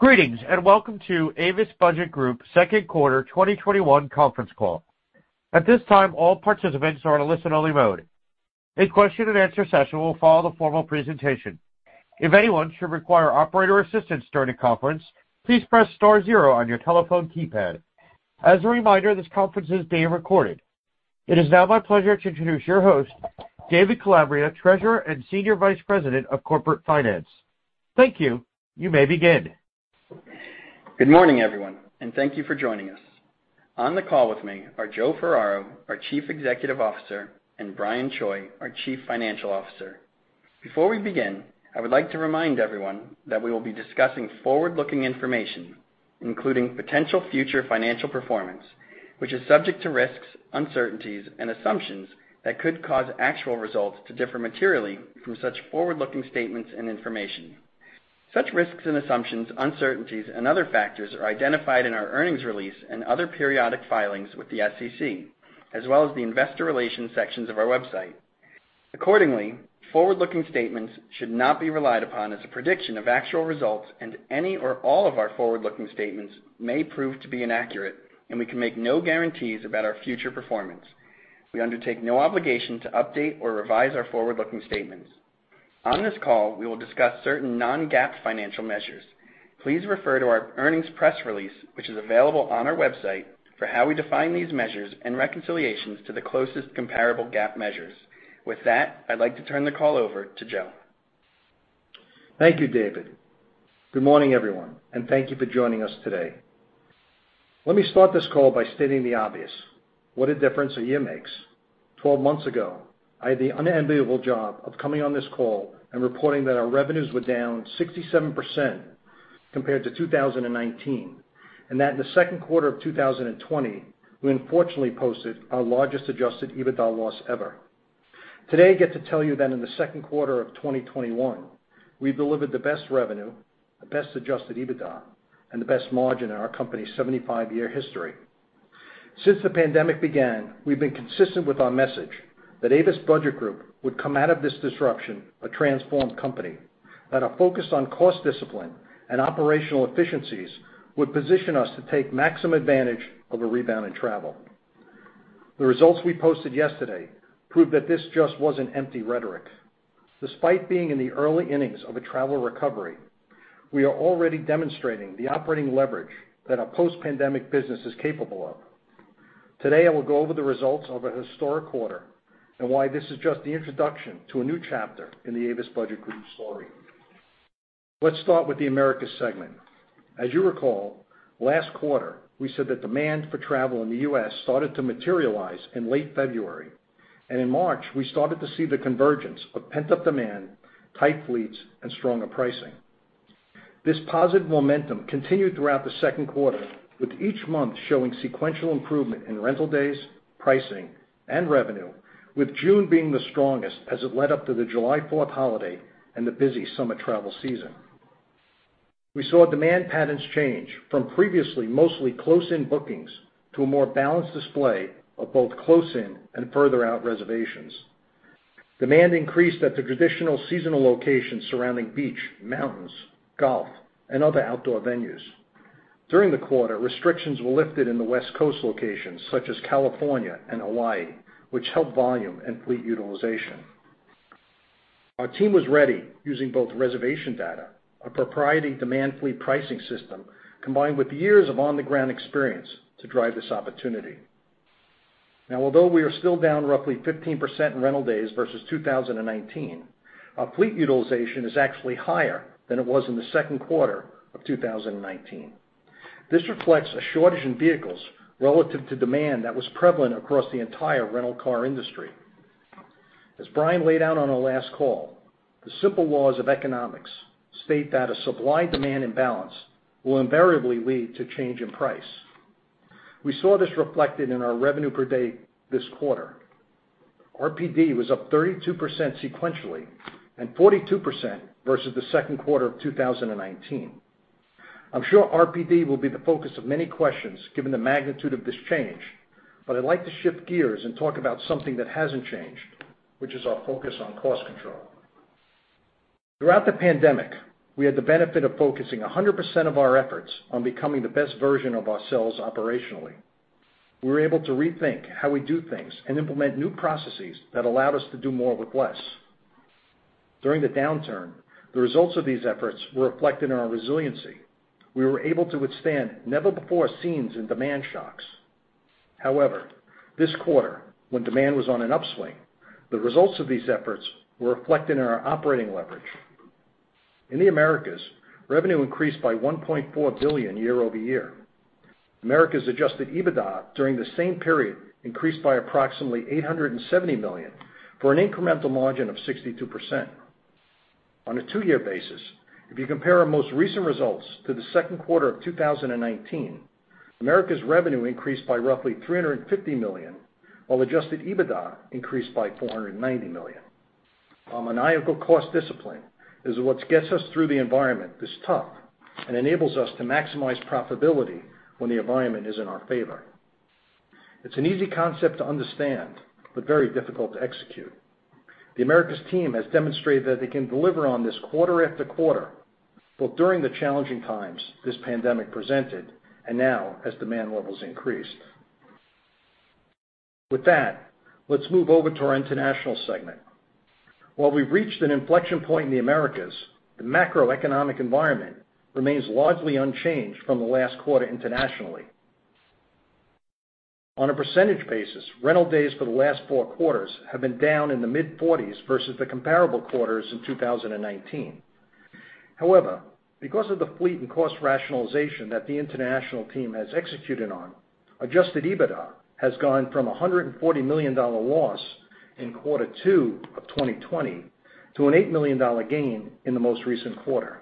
Greetings, and welcome to Avis Budget Group Second Quarter 2021 Conference Call. At this time, all participants are in a listen-only mode. A question and answer session will follow the formal presentation. If anyone should require operator assistance during the conference, please press star zero on your telephone keypad. As a reminder, this conference is being recorded. It is now my pleasure to introduce your host, David Calabria, Treasurer and Senior Vice President of Corporate Finance. Thank you. You may begin. Good morning, everyone, and thank you for joining us. On the call with me are Joe Ferraro, our Chief Executive Officer, and Brian Choi, our Chief Financial Officer. Before we begin, I would like to remind everyone that we will be discussing forward-looking information, including potential future financial performance, which is subject to risks, uncertainties, and assumptions that could cause actual results to differ materially from such forward-looking statements and information. Such risks and assumptions, uncertainties, and other factors are identified in our earnings release and other periodic filings with the SEC, as well as the investor relations sections of our website. Accordingly, forward-looking statements should not be relied upon as a prediction of actual results, and any or all of our forward-looking statements may prove to be inaccurate, and we can make no guarantees about our future performance. We undertake no obligation to update or revise our forward-looking statements. On this call, we will discuss certain non-GAAP financial measures. Please refer to our earnings press release, which is available on our website for how we define these measures and reconciliations to the closest comparable GAAP measures. With that, I'd like to turn the call over to Joe. Thank you, David. Good morning, everyone, and thank you for joining us today. Let me start this call by stating the obvious: what a difference a year makes. 12 months ago, I had the unenviable job of coming on this call and reporting that our revenues were down 67% compared to 2019, and that in the second quarter of 2020, we unfortunately posted our largest Adjusted EBITDA loss ever. Today, I get to tell you that in the second quarter of 2021, we've delivered the best revenue, the best Adjusted EBITDA, and the best margin in our company's 75-year history. Since the pandemic began, we've been consistent with our message that Avis Budget Group would come out of this disruption a transformed company, that our focus on cost discipline and operational efficiencies would position us to take maximum advantage of a rebound in travel. The results we posted yesterday prove that this just wasn't empty rhetoric. Despite being in the early innings of a travel recovery, we are already demonstrating the operating leverage that our post-pandemic business is capable of. Today, I will go over the results of a historic quarter and why this is just the introduction to a new chapter in the Avis Budget Group story. Let's start with the Americas segment. As you recall, last quarter, we said that demand for travel in the U.S. started to materialize in late February, and in March, we started to see the convergence of pent-up demand, tight fleets, and stronger pricing. This positive momentum continued throughout the second quarter, with each month showing sequential improvement in rental days, pricing, and revenue, with June being the strongest as it led up to the July 4th holiday and the busy summer travel season. We saw demand patterns change from previously mostly close-in bookings to a more balanced display of both close-in and further out reservations. Demand increased at the traditional seasonal locations surrounding beach, mountains, golf, and other outdoor venues. During the quarter, restrictions were lifted in the West Coast locations such as California and Hawaii, which helped volume and fleet utilization. Our team was ready, using both reservation data, our proprietary demand fleet pricing system, combined with years of on-the-ground experience to drive this opportunity. Now, although we are still down roughly 15% in rental days versus 2019, our fleet utilization is actually higher than it was in the second quarter of 2019. This reflects a shortage in vehicles relative to demand that was prevalent across the entire rental car industry. As Brian laid out on our last call, the simple laws of economics state that a supply and demand imbalance will invariably lead to change in price. We saw this reflected in our revenue per day this quarter. RPD was up 32% sequentially and 42% versus the second quarter of 2019. I'm sure RPD will be the focus of many questions given the magnitude of this change, but I'd like to shift gears and talk about something that hasn't changed, which is our focus on cost control. Throughout the pandemic, we had the benefit of focusing 100% of our efforts on becoming the best version of ourselves operationally. We were able to rethink how we do things and implement new processes that allowed us to do more with less. During the downturn, the results of these efforts were reflected in our resiliency. We were able to withstand never-before-seen demand shocks. However, this quarter, when demand was on an upswing, the results of these efforts were reflected in our operating leverage. In the Americas, revenue increased by $1.4 billion year-over-year. Americas Adjusted EBITDA during the same period increased by approximately $870 million for an incremental margin of 62%. On a 2-year basis, if you compare our most recent results to the second quarter of 2019, Americas revenue increased by roughly $350 million, while Adjusted EBITDA increased by $490 million. Our maniacal cost discipline is what gets us through the environment that's tough and enables us to maximize profitability when the environment is in our favor. It's an easy concept to understand, but very difficult to execute. The Americas team has demonstrated that they can deliver on this quarter after quarter, both during the challenging times this pandemic presented, and now as demand levels increase. With that, let's move over to our International segment. While we've reached an inflection point in the Americas, the macroeconomic environment remains largely unchanged from the last quarter internationally. On a % basis, rental days for the last four quarters have been down in the mid-40s versus the comparable quarters in 2019. However, because of the fleet and cost rationalization that the International team has executed on, Adjusted EBITDA has gone from $140 million loss in quarter two of 2020 to an $8 million gain in the most recent quarter.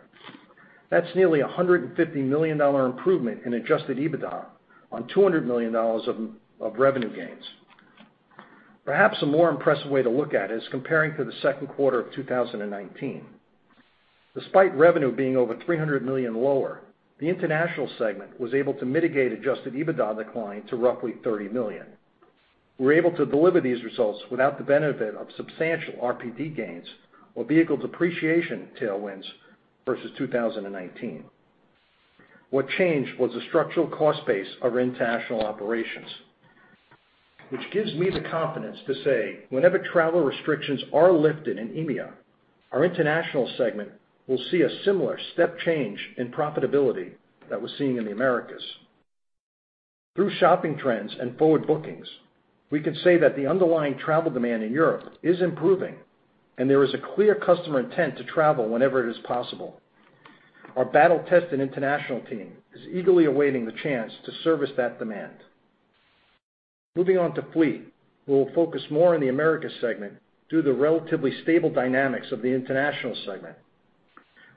That's nearly $150 million improvement in Adjusted EBITDA on $200 million of revenue gains. Perhaps a more impressive way to look at it is comparing to the second quarter of 2019. Despite revenue being over $300 million lower, the international segment was able to mitigate Adjusted EBITDA decline to roughly $30 million. We were able to deliver these results without the benefit of substantial RPD gains or vehicle depreciation tailwinds versus 2019. What changed was the structural cost base of our international operations, which gives me the confidence to say whenever travel restrictions are lifted in EMEA, our international segment will see a similar step change in profitability that we're seeing in the Americas. Through shopping trends and forward bookings, we can say that the underlying travel demand in Europe is improving, and there is a clear customer intent to travel whenever it is possible. Our battle-tested international team is eagerly awaiting the chance to service that demand. Moving on to fleet, we will focus more on the Americas segment due to the relatively stable dynamics of the international segment.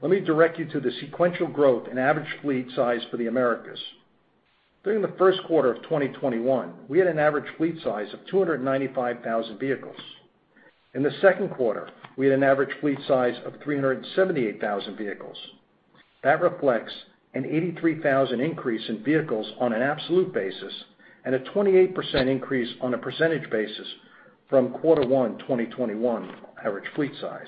Let me direct you to the sequential growth in average fleet size for the Americas. During Q1 2021, we had an average fleet size of 295,000 vehicles. In Q2, we had an average fleet size of 378,000 vehicles. That reflects an 83,000 increase in vehicles on an absolute basis and a 28% increase on a % basis from Q1 2021 average fleet size.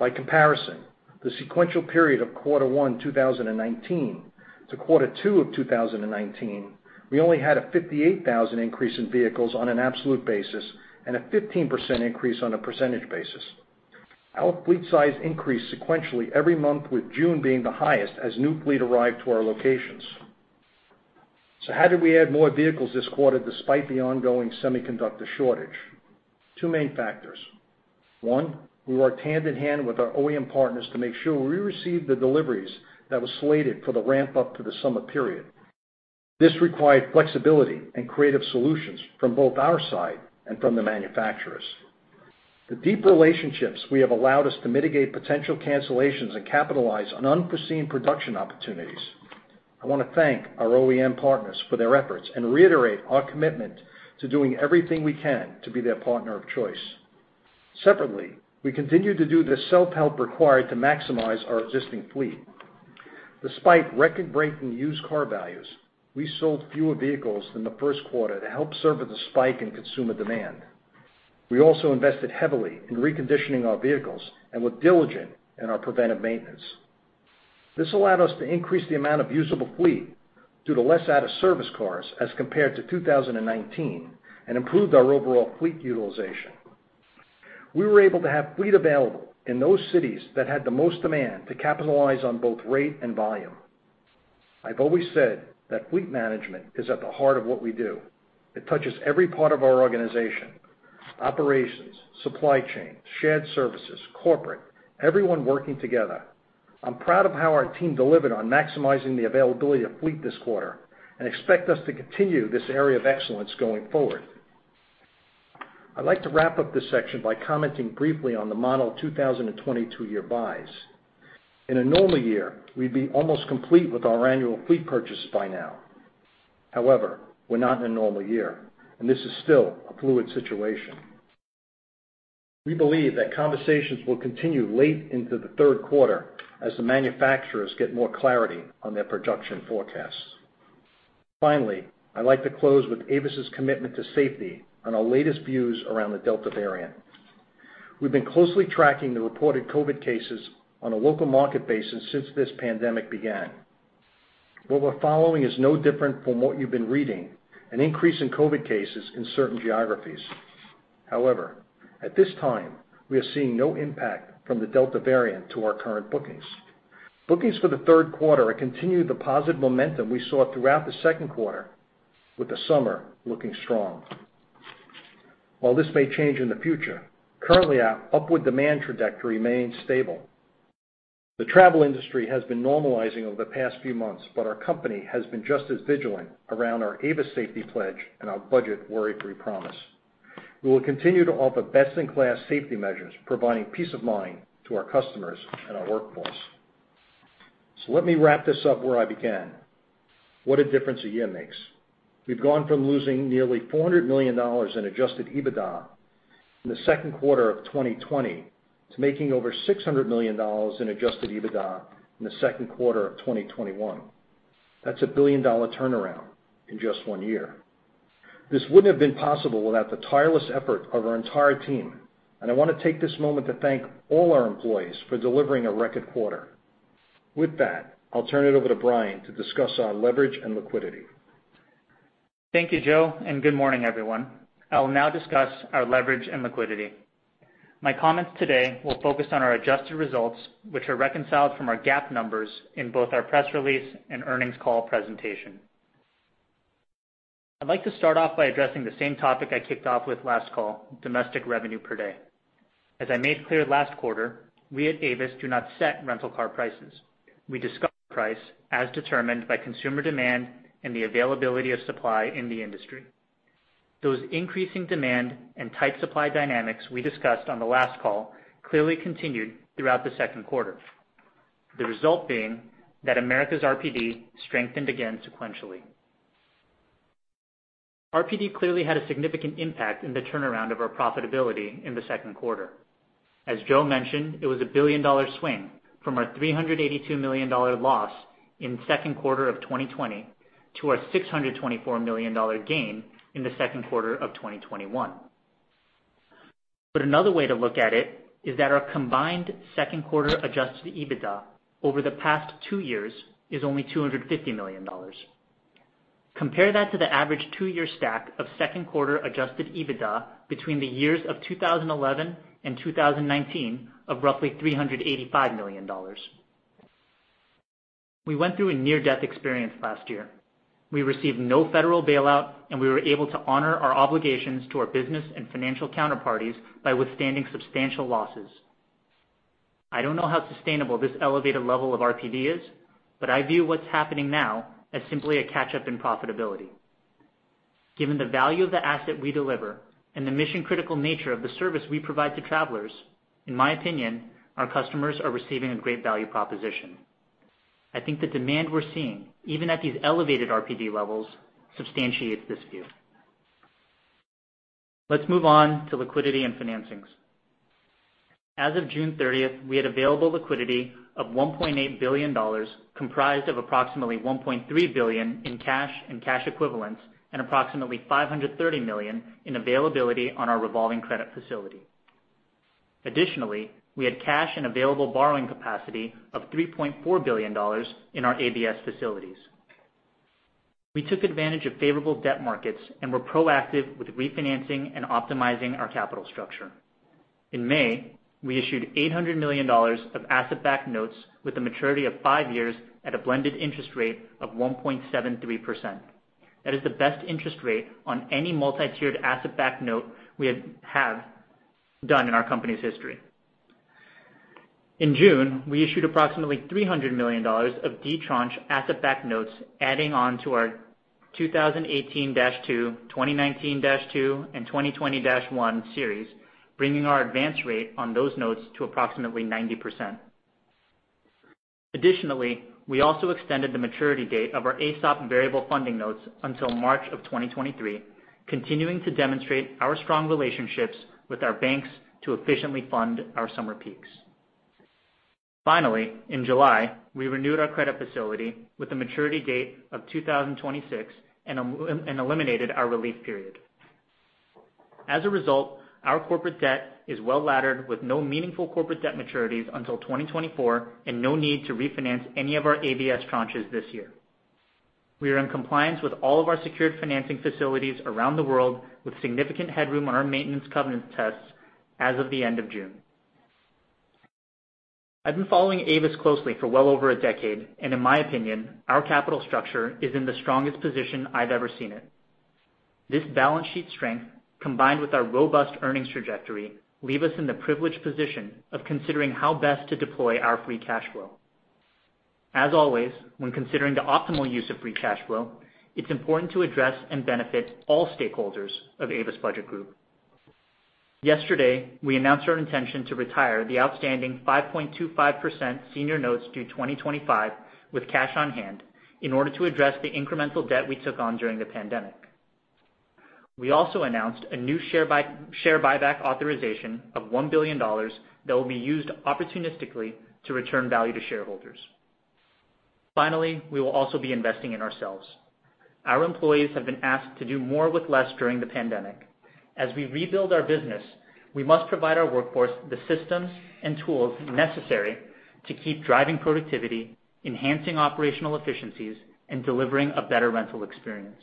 By comparison, the sequential period of Q1 2019 to Q2 2019, we only had a 58,000 increase in vehicles on an absolute basis and a 15% increase on a % basis. Our fleet size increased sequentially every month, with June being the highest as new fleet arrived to our locations. How did we add more vehicles this quarter despite the ongoing semiconductor shortage? Two main factors. One, we worked hand in hand with our OEM partners to make sure we received the deliveries that were slated for the ramp-up to the summer period. This required flexibility and creative solutions from both our side and from the manufacturers. The deep relationships we have allowed us to mitigate potential cancellations and capitalize on unforeseen production opportunities. I want to thank our OEM partners for their efforts and reiterate our commitment to doing everything we can to be their partner of choice. Separately, we continue to do the self-help required to maximize our existing fleet. Despite record-breaking used car values, we sold fewer vehicles than the first quarter to help serve the spike in consumer demand. We also invested heavily in reconditioning our vehicles and were diligent in our preventive maintenance. This allowed us to increase the amount of usable fleet due to less out-of-service cars as compared to 2019 and improved our overall fleet utilization. We were able to have fleet available in those cities that had the most demand to capitalize on both rate and volume. I've always said that fleet management is at the heart of what we do. It touches every part of our organization, operations, supply chain, shared services, corporate, everyone working together. I'm proud of how our team delivered on maximizing the availability of fleet this quarter and expect us to continue this area of excellence going forward. I'd like to wrap up this section by commenting briefly on the model 2022 year buys. In a normal year, we'd be almost complete with our annual fleet purchases by now. However, we're not in a normal year, and this is still a fluid situation. We believe that conversations will continue late into the third quarter as the manufacturers get more clarity on their production forecasts. Finally, I'd like to close with Avis's commitment to safety and our latest views around the Delta variant. We've been closely tracking the reported COVID cases on a local market basis since this pandemic began. What we're following is no different from what you've been reading, an increase in COVID cases in certain geographies. However, at this time, we are seeing no impact from the Delta variant to our current bookings. Bookings for the third quarter are continued, the positive momentum we saw throughout the second quarter, with the summer looking strong. While this may change in the future, currently, our upward demand trajectory remains stable. The travel industry has been normalizing over the past few months, our company has been just as vigilant around our Avis Safety Pledge and our Budget Worry-Free Promise. We will continue to offer best-in-class safety measures, providing peace of mind to our customers and our workforce. Let me wrap this up where I began. What a difference a year makes. We've gone from losing nearly $400 million in Adjusted EBITDA in the second quarter of 2020 to making over $600 million in Adjusted EBITDA in the second quarter of 2021. That's a billion-dollar turnaround in just one year. This wouldn't have been possible without the tireless effort of our entire team, I want to take this moment to thank all our employees for delivering a record quarter. With that, I'll turn it over to Brian to discuss our leverage and liquidity. Thank you, Joe, and good morning, everyone. I will now discuss our leverage and liquidity. My comments today will focus on our adjusted results, which are reconciled from our GAAP numbers in both our press release and earnings call presentation. I'd like to start off by addressing the same topic I kicked off with last call, domestic revenue per day. As I made clear last quarter, we at Avis do not set rental car prices. We discover price as determined by consumer demand and the availability of supply in the industry. Those increasing demand and tight supply dynamics we discussed on the last call clearly continued throughout the second quarter. The result being that America's RPD strengthened again sequentially. RPD clearly had a significant impact in the turnaround of our profitability in the second quarter. As Joe mentioned, it was a billion-dollar swing from our $382 million loss in second quarter of 2020 to our $624 million gain in the second quarter of 2021. Another way to look at it is that our combined second quarter Adjusted EBITDA over the past two years is only $250 million. Compare that to the average two-year stack of second quarter Adjusted EBITDA between the years of 2011 and 2019 of roughly $385 million. We went through a near-death experience last year. We received no federal bailout, and we were able to honor our obligations to our business and financial counterparties by withstanding substantial losses. I don't know how sustainable this elevated level of RPD is, but I view what's happening now as simply a catch-up in profitability. Given the value of the asset we deliver and the mission-critical nature of the service we provide to travelers, in my opinion, our customers are receiving a great value proposition. I think the demand we're seeing, even at these elevated RPD levels, substantiates this view. Let's move on to liquidity and financings. As of June 30th, we had available liquidity of $1.8 billion, comprised of approximately $1.3 billion in cash and cash equivalents and approximately $530 million in availability on our revolving credit facility. Additionally, we had cash and available borrowing capacity of $3.4 billion in our ABS facilities. We took advantage of favorable debt markets and were proactive with refinancing and optimizing our capital structure. In May, we issued $800 million of asset-backed notes with a maturity of five years at a blended interest rate of 1.73%. That is the best interest rate on any multi-tiered asset-backed note we have done in our company's history. In June, we issued approximately $300 million of D tranche asset-backed notes, adding on to our 2018-2, 2019-2, and 2020-1 series, bringing our advance rate on those notes to approximately 90%. Additionally, we also extended the maturity date of our AESOP variable funding notes until March of 2023, continuing to demonstrate our strong relationships with our banks to efficiently fund our summer peaks. Finally, in July, we renewed our credit facility with a maturity date of 2026 and eliminated our relief period. As a result, our corporate debt is well-laddered with no meaningful corporate debt maturities until 2024 and no need to refinance any of our ABS tranches this year. We are in compliance with all of our secured financing facilities around the world, with significant headroom on our maintenance covenant tests as of the end of June. I've been following Avis closely for well over a decade, and in my opinion, our capital structure is in the strongest position I've ever seen it. This balance sheet strength, combined with our robust earnings trajectory, leave us in the privileged position of considering how best to deploy our free cash flow. As always, when considering the optimal use of free cash flow, it's important to address and benefit all stakeholders of Avis Budget Group. Yesterday, we announced our intention to retire the outstanding 5.25% senior notes due 2025 with cash on hand in order to address the incremental debt we took on during the pandemic. We also announced a new share buyback authorization of $1 billion that will be used opportunistically to return value to shareholders. Finally, we will also be investing in ourselves. Our employees have been asked to do more with less during the pandemic. As we rebuild our business, we must provide our workforce the systems and tools necessary to keep driving productivity, enhancing operational efficiencies, and delivering a better rental experience.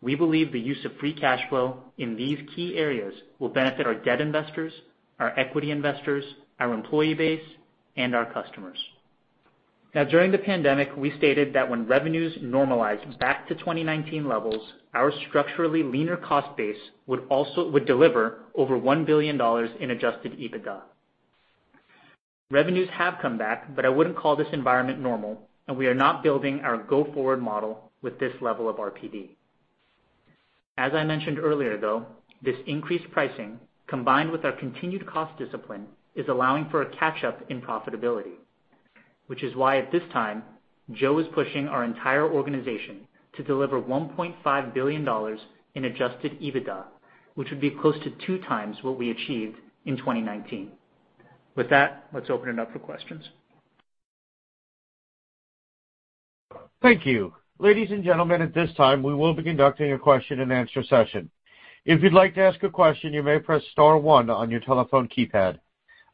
We believe the use of free cash flow in these key areas will benefit our debt investors, our equity investors, our employee base, and our customers. Now during the pandemic, we stated that when revenues normalize back to 2019 levels, our structurally leaner cost base would deliver over $1 billion in Adjusted EBITDA. Revenues have come back, but I wouldn't call this environment normal, and we are not building our go-forward model with this level of RPD. As I mentioned earlier, though, this increased pricing, combined with our continued cost discipline, is allowing for a catch-up in profitability. Which is why at this time, Joe is pushing our entire organization to deliver $1.5 billion in Adjusted EBITDA, which would be close to two times what we achieved in 2019. With that, let's open it up for questions. Thank you. Ladies and gentlemen, at this time, we will be conducting a question and answer session. If you'd like to ask a question, you may press star one on your telephone keypad.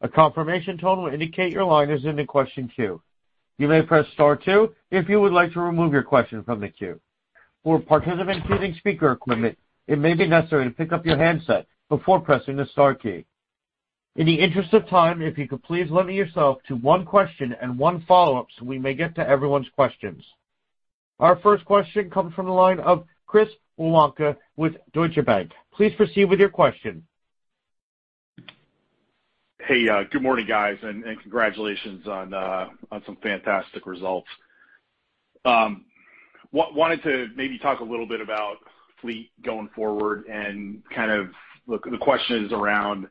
A confirmation tone will indicate your line is in the question queue. You may press star two if you would like to remove your question from the queue. For participant queuing speaker equipment, it may be necessary to pick up your handset before pressing the star key. In the interest of time, if you could please limit yourself to one question and one follow-up, so we may get to everyone's questions. Our first question comes from the line of Chris Woronka with Deutsche Bank. Please proceed with your question. Hey, good morning, guys, and congratulations on some fantastic results. I wanted to maybe talk a little bit about fleet going forward and kind of the questions around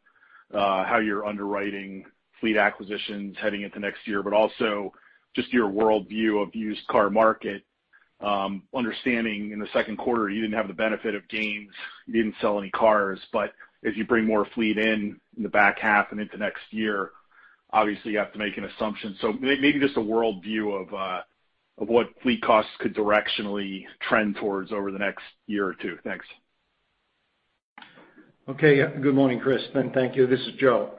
how you're underwriting fleet acquisitions heading into next year, but also just your worldview of used car market, understanding in the second quarter you didn't have the benefit of gains. You didn't sell any cars. As you bring more fleet in in the back half and into next year, obviously you have to make an assumption. Maybe just a worldview of what fleet costs could directionally trend towards over the next year or two. Thanks. Good morning, Chris, and thank you. This is Joe.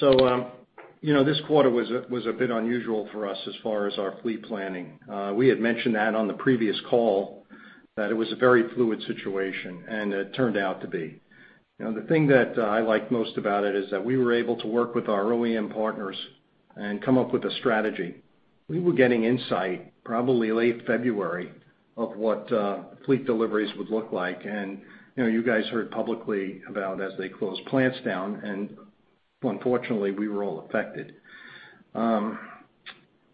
This quarter was a bit unusual for us as far as our fleet planning. We had mentioned that on the previous call that it was a very fluid situation, and it turned out to be. The thing that I like most about it is that we were able to work with our OEM partners and come up with a strategy. We were getting insight probably late February of what fleet deliveries would look like, and you guys heard publicly about as they closed plants down, and unfortunately, we were all affected.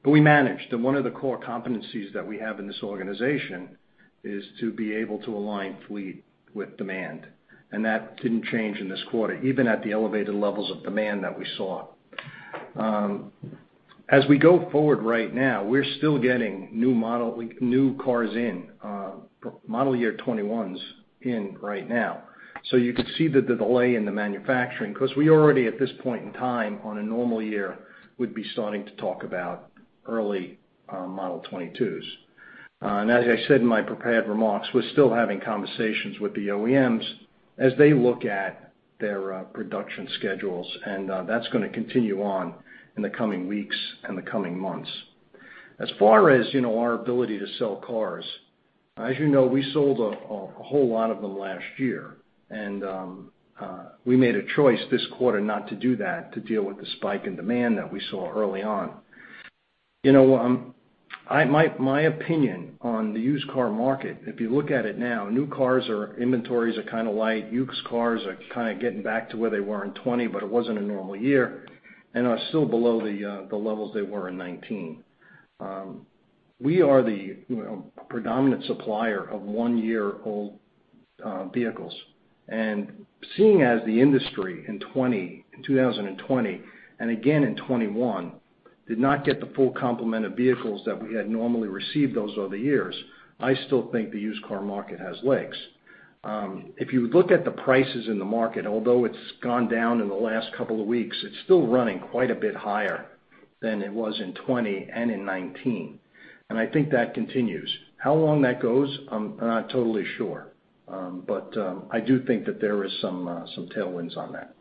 We managed. One of the core competencies that we have in this organization is to be able to align fleet with demand. That didn't change in this quarter, even at the elevated levels of demand that we saw. As we go forward right now, we're still getting new cars in, model year 2021s in right now. You could see that the delay in the manufacturing, because we already, at this point in time, on a normal year, would be starting to talk about early model 2022s. As I said in my prepared remarks, we're still having conversations with the OEMs as they look at their production schedules, and that's going to continue on in the coming weeks and the coming months. As far as our ability to sell cars, as you know, we sold a whole lot of them last year. We made a choice this quarter not to do that to deal with the spike in demand that we saw early on. My opinion on the used car market, if you look at it now, new cars are inventories are kind of light. Used cars are kind of getting back to where they were in 2020, but it wasn't a normal year, and are still below the levels they were in 2019. We are the predominant supplier of one-year-old vehicles. Seeing as the industry in 2020 and again in 2021 did not get the full complement of vehicles that we had normally received those other years, I still think the used car market has legs. If you look at the prices in the market, although it's gone down in the last couple of weeks, it's still running quite a bit higher than it was in 2020 and in 2019, and I think that continues. How long that goes, I'm not totally sure. I do think that there is some tailwinds on that.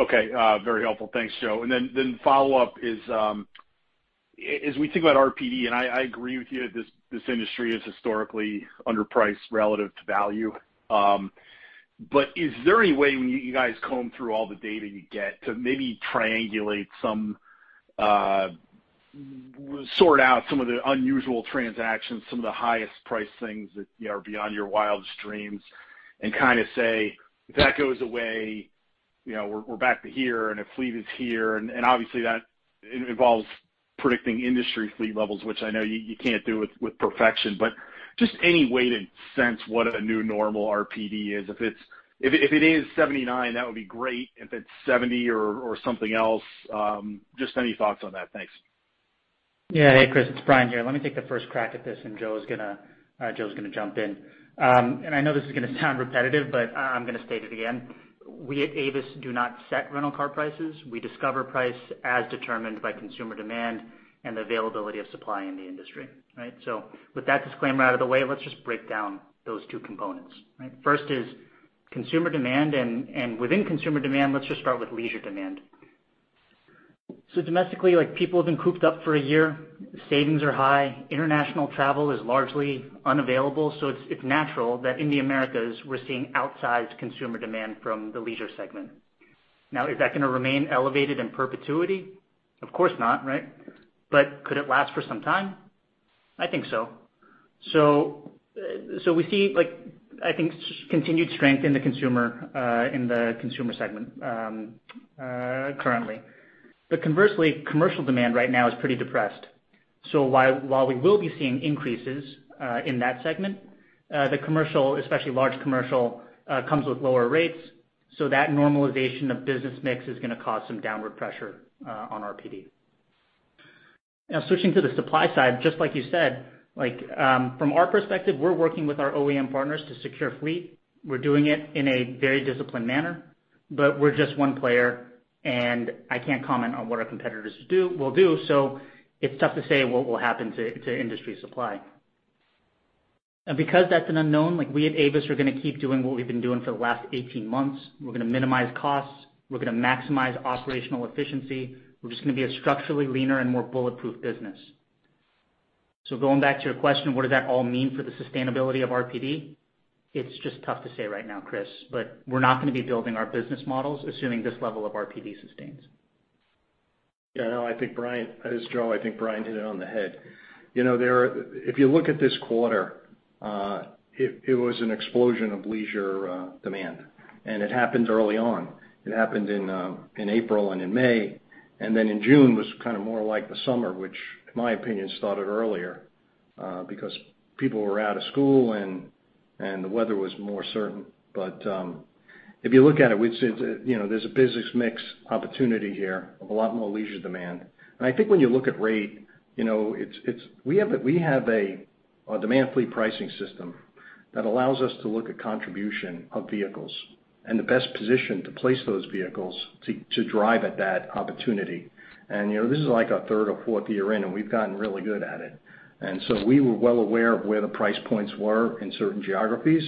Okay, very helpful. Thanks, Joe. Then follow-up is, as we think about RPD, and I agree with you, this industry is historically underpriced relative to value. Is there any way when you guys comb through all the data you get to maybe triangulate, sort out some of the unusual transactions, some of the highest priced things that are beyond your wildest dreams and kind of say, "If that goes away, we're back to here and if fleet is here." Obviously that involves predicting industry fleet levels, which I know you can't do with perfection. Just any way to sense what a new normal RPD is. If it is 79, that would be great. If it's 70 or something else, just any thoughts on that. Thanks. Yeah. Hey, Chris. It's Brian here. Let me take the first crack at this and Joe's going to jump in. I know this is going to sound repetitive, but I'm going to state it again. We at Avis do not set rental car prices. We discover price as determined by consumer demand and the availability of supply in the industry. With that disclaimer out of the way, let's just break down those two components. First is consumer demand, and within consumer demand, let's just start with leisure demand. Domestically, like people have been cooped up for a year. Savings are high. International travel is largely unavailable, so it's natural that in the Americas, we're seeing outsized consumer demand from the leisure segment. Is that going to remain elevated in perpetuity? Of course not. Could it last for some time? I think so. We see I think continued strength in the consumer segment currently. Conversely, commercial demand right now is pretty depressed. While we will be seeing increases in that segment, the commercial, especially large commercial, comes with lower rates. That normalization of business mix is going to cause some downward pressure on RPD. Now, switching to the supply side, just like you said, from our perspective, we're working with our OEM partners to secure fleet. We're doing it in a very disciplined manner, but we're just one player, and I can't comment on what our competitors will do. It's tough to say what will happen to industry supply. Because that's an unknown, we at Avis are going to keep doing what we've been doing for the last 18 months. We're going to minimize costs. We're going to maximize operational efficiency. We're just going to be a structurally leaner and more bulletproof business. Going back to your question, what does that all mean for the sustainability of RPD? It's just tough to say right now, Chris, but we're not going to be building our business models, assuming this level of RPD sustains. Yeah, no, I think Brian—this is Joe. I think Brian hit it on the head. If you look at this quarter, it was an explosion of leisure demand, and it happened early on. It happened in April and in May, and then in June was kind of more like the summer, which in my opinion, started earlier because people were out of school, and the weather was more certain. If you look at it, there's a business mix opportunity here of a lot more leisure demand. I think when you look at rate, we have a demand fleet pricing system that allows us to look at contribution of vehicles and the best position to place those vehicles to drive at that opportunity. This is like our third or fourth year in, and we've gotten really good at it. We were well aware of where the price points were in certain geographies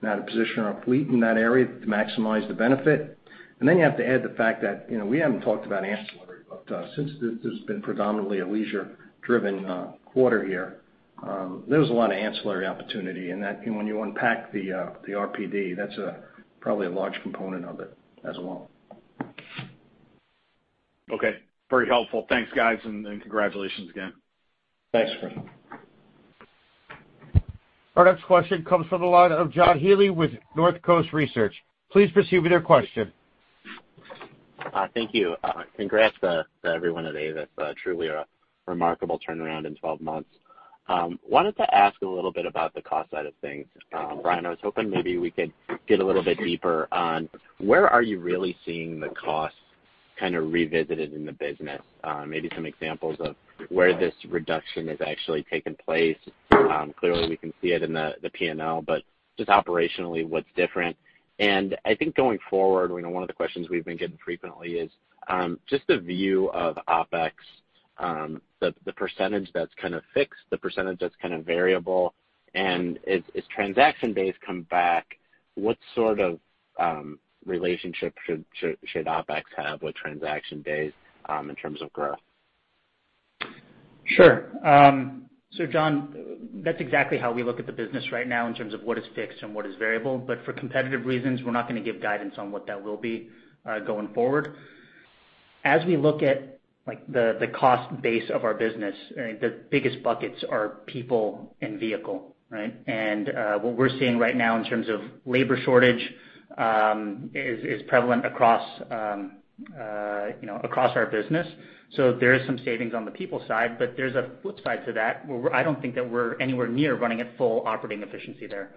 and how to position our fleet in that area to maximize the benefit. Then you have to add the fact that we haven't talked about ancillary, but since this has been predominantly a leisure-driven quarter here, there was a lot of ancillary opportunity. When you unpack the RPD, that's probably a large component of it as well. Okay. Very helpful. Thanks, guys, and congratulations again. Thanks, Chris. Our next question comes from the line of John Healy with Northcoast Research. Please proceed with your question. Thank you. Congrats to everyone at Avis. Truly a remarkable turnaround in 12 months. Wanted to ask a little bit about the cost side of things. Brian, I was hoping maybe we could get a little bit deeper on where are you really seeing the costs kind of revisited in the business? Maybe some examples of where this reduction has actually taken place. Clearly, we can see it in the P&L, but just operationally, what's different. I think going forward, one of the questions we've been getting frequently is just the view of OpEx, the % that's kind of fixed, the % that's kind of variable, and as transaction days come back, what sort of relationship should OpEx have with transaction days in terms of growth? Sure. John, that's exactly how we look at the business right now in terms of what is fixed and what is variable. For competitive reasons, we're not going to give guidance on what that will be going forward. As we look at the cost base of our business, the biggest buckets are people and vehicle, right? What we're seeing right now in terms of labor shortage is prevalent across our business. There is some savings on the people side, but there's a flip side to that, where I don't think that we're anywhere near running at full operating efficiency there.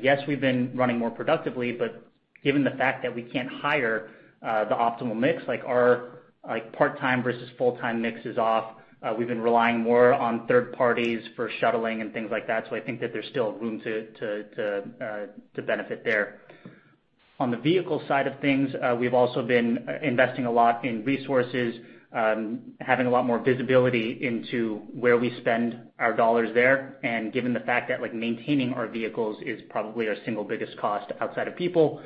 Yes, we've been running more productively, but given the fact that we can't hire the optimal mix, our part-time versus full-time mix is off. We've been relying more on third parties for shuttling and things like that. I think that there's still room to benefit there. On the vehicle side of things, we've also been investing a lot in resources, having a lot more visibility into where we spend our $ there, and given the fact that maintaining our vehicles is probably our single biggest cost outside of people,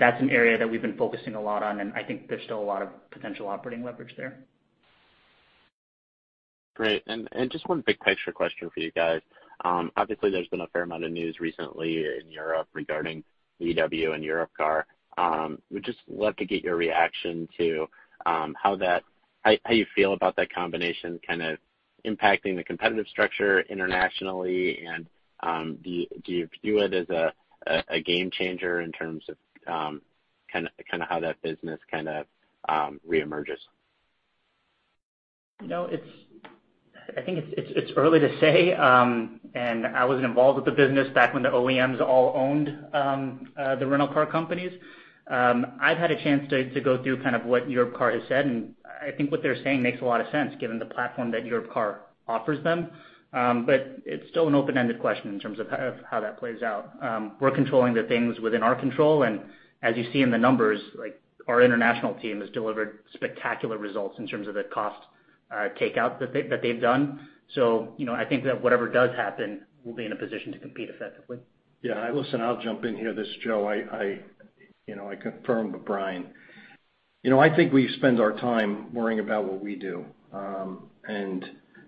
that's an area that we've been focusing a lot on. I think there's still a lot of potential operating leverage there. Great. Just one big picture question for you guys. Obviously, there's been a fair amount of news recently in Europe regarding VW and Europcar. Would just love to get your reaction to how you feel about that combination kind of impacting the competitive structure internationally, and do you view it as a game changer in terms of how that business kind of re-emerges? I think it's early to say, and I wasn't involved with the business back when the OEMs all owned the rental car companies. I've had a chance to go through kind of what Europcar has said, and I think what they're saying makes a lot of sense given the platform that Europcar offers them, but it's still an open-ended question in terms of how that plays out. We're controlling the things within our control, and as you see in the numbers, our international team has delivered spectacular results in terms of the cost takeout that they've done. I think that whatever does happen, we'll be in a position to compete effectively. Yeah. Listen, I'll jump in here. This is Joe. I confirm with Brian. I think we spend our time worrying about what we do.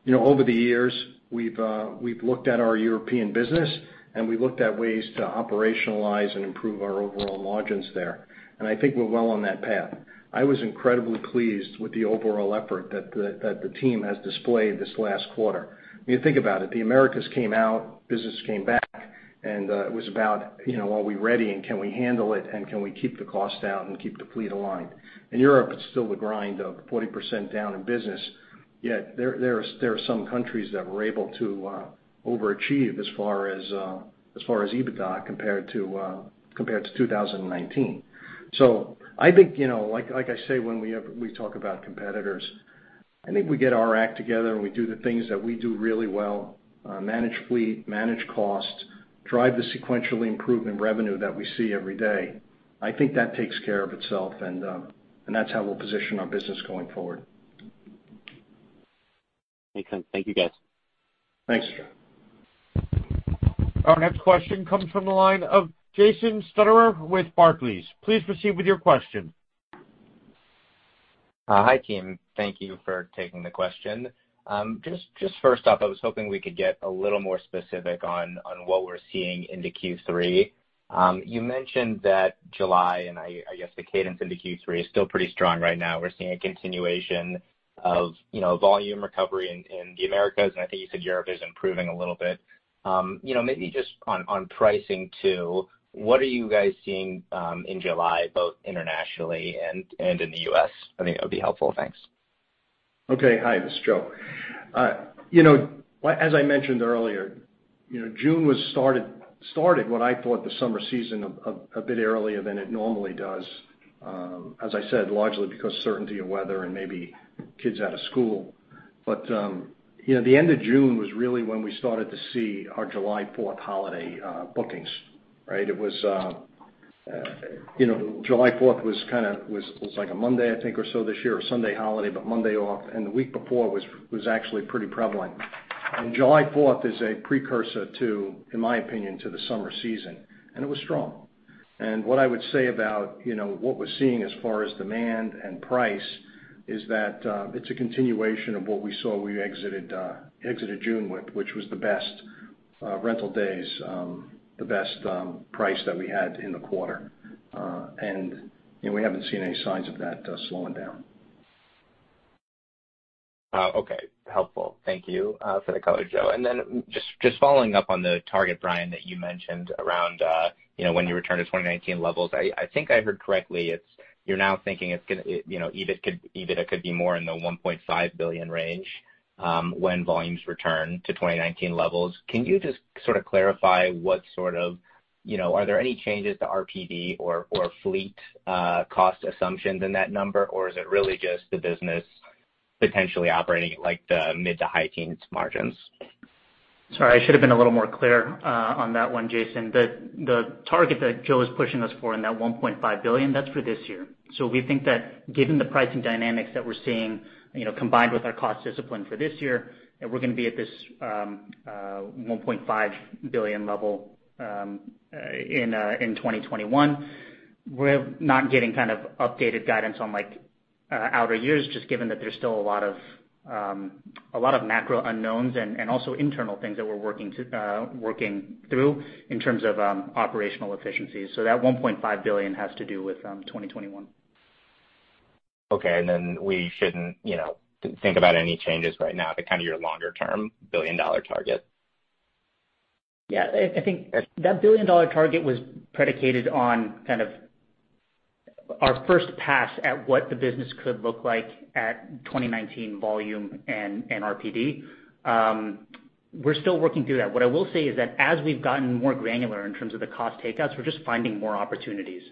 Over the years, we've looked at our European business, and we looked at ways to operationalize and improve our overall margins there. I think we're well on that path. I was incredibly pleased with the overall effort that the team has displayed this last quarter. When you think about it, the Americas came out, business came back. It was about are we ready and can we handle it and can we keep the cost down and keep the fleet aligned? In Europe, it's still the grind of 40% down in business. There are some countries that were able to overachieve as far as EBITDA compared to 2019. I think, like I say, when we talk about competitors, I think we get our act together, we do the things that we do really well, manage fleet, manage cost, drive the sequential improvement revenue that we see every day. I think that takes care of itself, that's how we'll position our business going forward. Makes sense. Thank you, guys. Thanks. Our next question comes from the line of Jason Stuhldreher with Barclays. Please proceed with your question. Hi, team. Thank you for taking the question. Just first off, I was hoping we could get a little more specific on what we're seeing into Q3. You mentioned that July, and I guess the cadence into Q3 is still pretty strong right now. We're seeing a continuation of volume recovery in the Americas, and I think you said Europe is improving a little bit. Maybe just on pricing too, what are you guys seeing in July, both internationally and in the U.S.? I think that would be helpful. Thanks. Okay. Hi, this is Joe. As I mentioned earlier, June started what I thought the summer season a bit earlier than it normally does. As I said, largely because certainty of weather and maybe kids out of school. The end of June was really when we started to see our July 4th holiday bookings. July 4th was like a Monday, I think, or so this year, a Sunday holiday, but Monday off, and the week before was actually pretty prevalent. July 4th is a precursor, in my opinion, to the summer season, and it was strong. What I would say about what we're seeing as far as demand and price is that it's a continuation of what we saw we exited June with, which was the best rental days, the best price that we had in the quarter. We haven't seen any signs of that slowing down. Okay. Helpful. Thank you for the color, Joe. Just following up on the target, Brian, that you mentioned around when you return to 2019 levels. I think I heard correctly, you're now thinking EBITDA could be more in the $1.5 billion range when volumes return to 2019 levels. Can you just sort of clarify, are there any changes to RPD or fleet cost assumptions in that number, or is it really just the business potentially operating at the mid to high teens margins? Sorry, I should have been a little more clear on that one, Jason. The target that Joe is pushing us for in that $1.5 billion, that's for this year. We think that given the pricing dynamics that we're seeing, combined with our cost discipline for this year, that we're going to be at this $1.5 billion level in 2021. We're not giving kind of updated guidance on outer years, just given that there's still a lot of macro unknowns and also internal things that we're working through in terms of operational efficiencies. That $1.5 billion has to do with 2021. Okay. Then we shouldn't think about any changes right now to kind of your longer-term billion-dollar target? Yeah, I think that billion-dollar target was predicated on kind of our first pass at what the business could look like at 2019 volume and RPD. We're still working through that. What I will say is that as we've gotten more granular in terms of the cost takeouts, we're just finding more opportunities.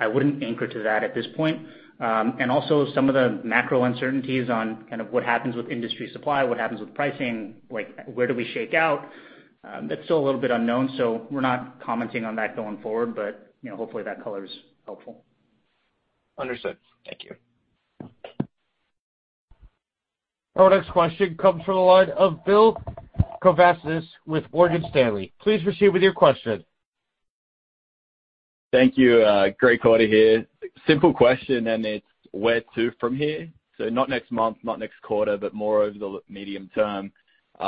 I wouldn't anchor to that at this point. Also some of the macro uncertainties on kind of what happens with industry supply, what happens with pricing, where do we shake out? That's still a little bit unknown, so we're not commenting on that going forward. Hopefully that color is helpful. Understood. Thank you. Our next question comes from the line of Bill Kovanis with Morgan Stanley. Please proceed with your question. Thank you. Great quarter here. Simple question, it's where to from here? Not next month, not next quarter, but more over the medium term.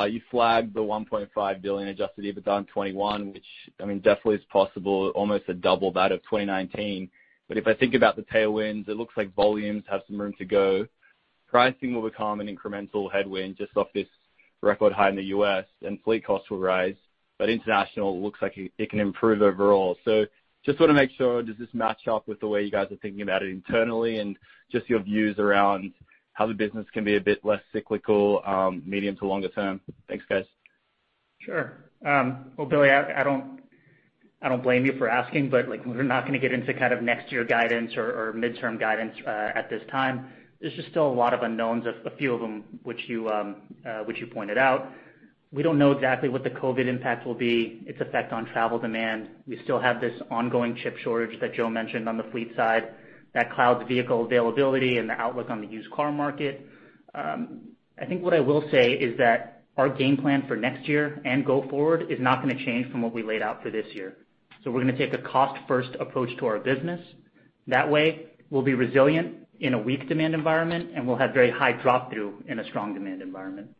You flagged the $1.5 billion Adjusted EBITDA in 2021, which definitely is possible, almost a double that of 2019. If I think about the tailwinds, it looks like volumes have some room to go. Pricing will become an incremental headwind just off this record high in the U.S., and fleet costs will rise, but international looks like it can improve overall. Just want to make sure, does this match up with the way you guys are thinking about it internally and just your views around how the business can be a bit less cyclical, medium to longer term? Thanks, guys. Sure. Well, Billy, I don't blame you for asking, but we're not going to get into kind of next year guidance or midterm guidance at this time. There's just still a lot of unknowns, a few of them which you pointed out. We don't know exactly what the COVID impact will be, its effect on travel demand. We still have this ongoing chip shortage that Joe mentioned on the fleet side. That clouds vehicle availability and the outlook on the used car market. I think what I will say is that our game plan for next year and go forward is not going to change from what we laid out for this year. We're going to take a cost-first approach to our business. That way, we'll be resilient in a weak demand environment, and we'll have very high drop-through in a strong demand environment.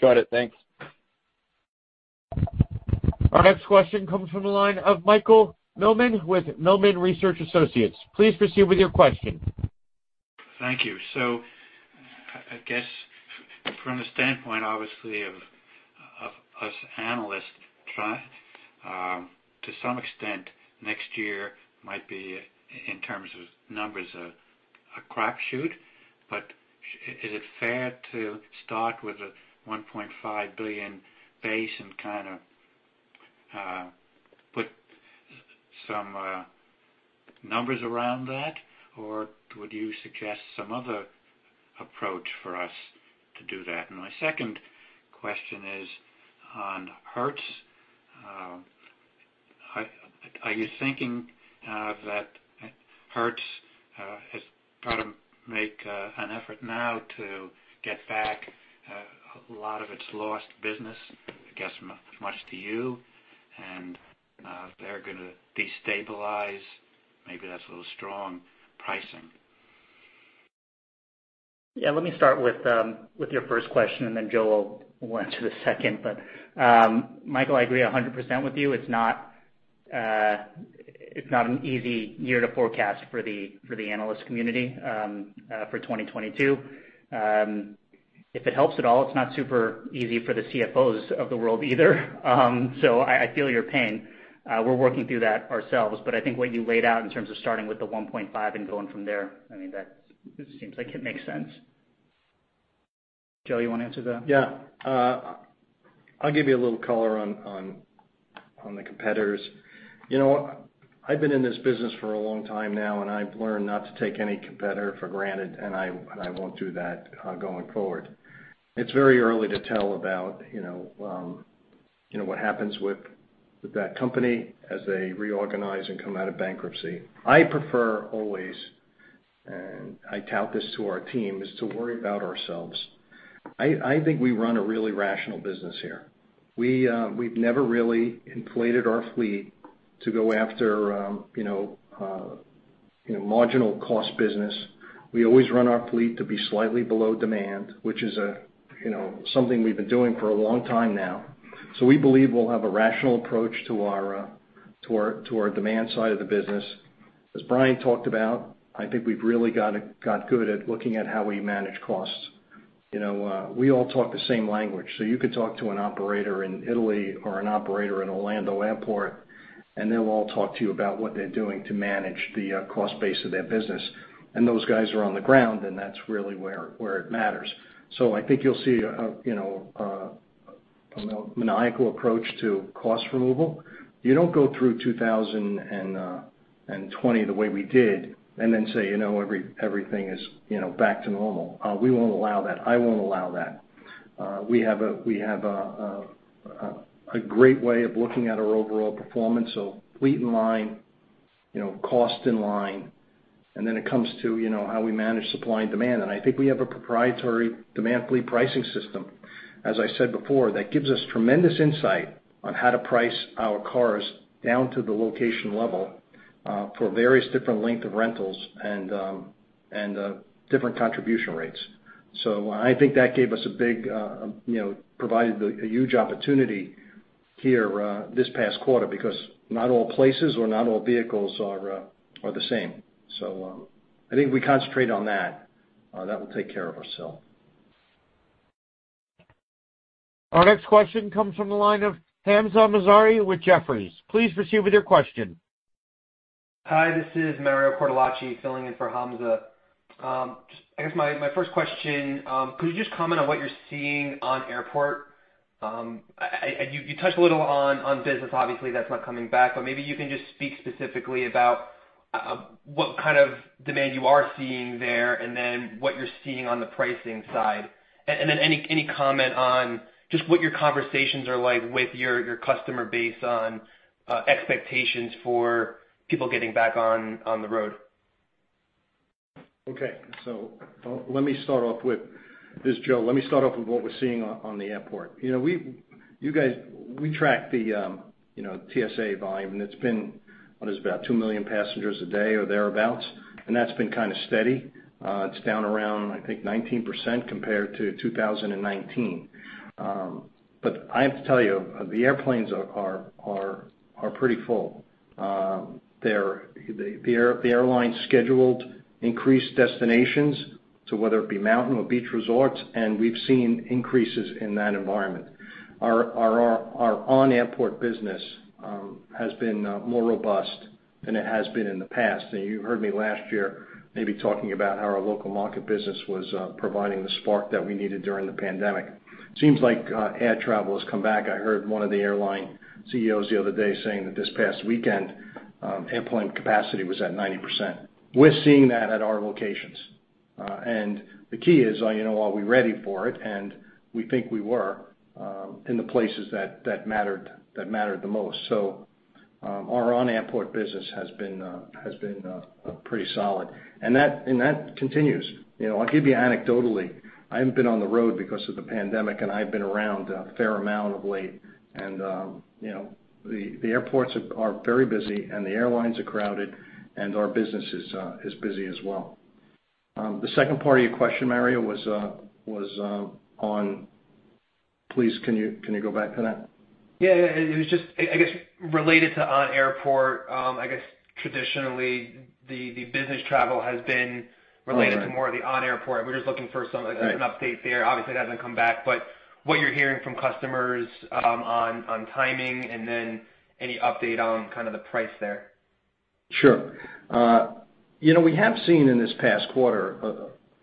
Got it. Thanks. Our next question comes from the line of Michael Millman with Millman Research Associates. Please proceed with your question. Thank you. I guess from the standpoint, obviously, of us analysts, to some extent, next year might be, in terms of numbers, a crapshoot. Is it fair to start with a $1.5 billion base and kind of put some numbers around that? Would you suggest some other approach for us to do that? My second question is on Hertz. Are you thinking that Hertz has got to make an effort now to get back a lot of its lost business, I guess much to you, and they're going to destabilize, maybe that's a little strong, pricing? Yeah, let me start with your first question, and then Joe will answer the second. Michael, I agree 100% with you. It's not an easy year to forecast for the analyst community for 2022. If it helps at all, it's not super easy for the CFOs of the world either so I feel your pain. We're working through that ourselves. I think what you laid out in terms of starting with the 1.5 and going from there, that seems like it makes sense. Joe, you want to answer that? Yeah. I'll give you a little color on the competitors. I've been in this business for a long time now, and I've learned not to take any competitor for granted, and I won't do that going forward. It's very early to tell about what happens with that company as they reorganize and come out of bankruptcy. I prefer always, and I tout this to our team, is to worry about ourselves. I think we run a really rational business here. We've never really inflated our fleet to go after marginal cost business. We always run our fleet to be slightly below demand, which is something we've been doing for a long time now. We believe we'll have a rational approach to our demand side of the business. As Brian talked about, I think we've really got good at looking at how we manage costs. We all talk the same language. You could talk to an operator in Italy or an operator in Orlando Airport, and they'll all talk to you about what they're doing to manage the cost base of their business. Those guys are on the ground, and that's really where it matters. I think you'll see a maniacal approach to cost removal. You don't go through 2020 the way we did and then say everything is back to normal. We won't allow that. I won't allow that. We have a great way of looking at our overall performance. Fleet in line, cost in line, and then it comes to how we manage supply and demand. I think we have a proprietary demand fleet pricing system, as I said before, that gives us tremendous insight on how to price our cars down to the location level for various different length of rentals and different contribution rates. I think that provided a huge opportunity here this past quarter because not all places or not all vehicles are the same. I think we concentrate on that. That will take care of ourselves. Our next question comes from the line of Hamza Mazari with Jefferies. Please proceed with your question. Hi, this is Mario Cortellucci filling in for Hamza. I guess my first question, could you just comment on what you're seeing on airport? You touched a little on business, obviously, that's not coming back, but maybe you can just speak specifically about what kind of demand you are seeing there and then what you're seeing on the pricing side. Any comment on just what your conversations are like with your customer base on expectations for people getting back on the road? This is Joe. Let me start off with what we're seeing on the airport. We track the TSA volume, and it's been what is about 2 million passengers a day or thereabout, and that's been kind of steady. It's down around, I think, 19% compared to 2019. I have to tell you, the airplanes are pretty full. The airlines scheduled increased destinations to whether it be mountain or beach resorts, and we've seen increases in that environment. Our on-airport business has been more robust than it has been in the past. You heard me last year maybe talking about how our local market business was providing the spark that we needed during the pandemic. Seems like air travel has come back. I heard one of the airline CEOs the other day saying that this past weekend, airplane capacity was at 90%. We're seeing that at our locations. The key is, are we ready for it? We think we were in the places that mattered the most. Our on-airport business has been pretty solid, and that continues. I'll give you anecdotally, I haven't been on the road because of the pandemic, and I've been around a fair amount of late, and the airports are very busy and the airlines are crowded, and our business is busy as well. The second part of your question, Mario, please, can you go back to that? Yeah. It was just, I guess, related to on-airport. I guess traditionally, the business travel has been related- All right. More to the on-airport. We're just looking for an update there. Obviously, it hasn't come back, but what you're hearing from customers on timing, and then any update on kind of the price there? Sure. We have seen in this past quarter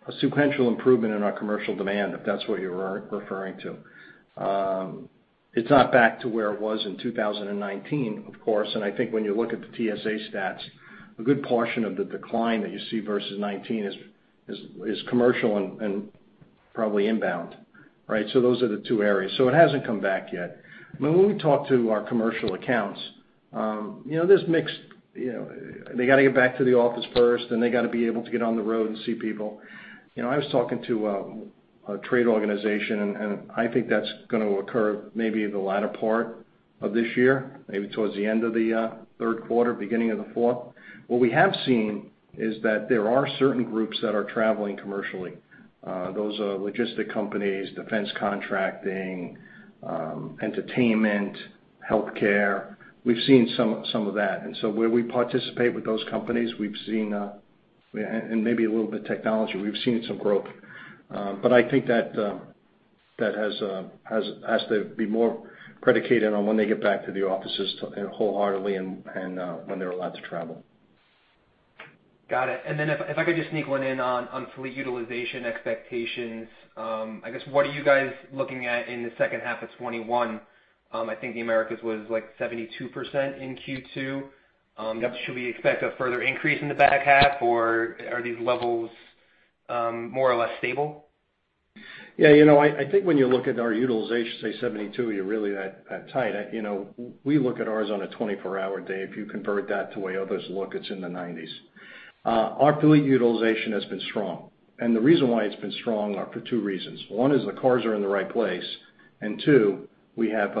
a sequential improvement in our commercial demand, if that's what you were referring to. It's not back to where it was in 2019, of course, and I think when you look at the TSA stats, a good portion of the decline that you see versus 2019 is commercial and probably inbound. Those are the two areas. It hasn't come back yet. When we talk to our commercial accounts, there's mix. They got to get back to the office first, then they got to be able to get on the road and see people. I was talking to a trade organization, and I think that's going to occur maybe the latter part of this year, maybe towards the end of the third quarter, beginning of the fourth. What we have seen is that there are certain groups that are traveling commercially. Those are logistic companies, defense contracting, entertainment, healthcare. We've seen some of that, and so where we participate with those companies, and maybe a little bit of technology, we've seen some growth. I think that has to be more predicated on when they get back to the offices wholeheartedly and when they're allowed to travel. Got it. If I could just sneak one in on fleet utilization expectations. I guess, what are you guys looking at in the second half of 2021? I think the Americas was, like, 72% in Q2. Should we expect a further increase in the back half, or are these levels more or less stable? Yeah. I think when you look at our utilization, say 72, you're really that tight. We look at ours on a 24-hour day. If you convert that to the way others look, it's in the 90s. Our fleet utilization has been strong, and the reason why it's been strong are for 2 reasons. One is the cars are in the right place, and 2, we had